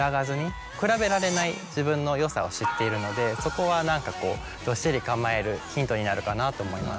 比べられない自分の良さを知っているのでそこは何かこうどっしり構えるヒントになるかなと思います。